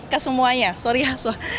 ke semuanya sorry ya